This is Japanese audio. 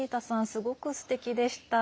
すごくすてきでした。